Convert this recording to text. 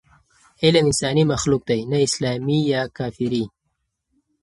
علم انساني مخلوق دی، نه اسلامي یا کافري.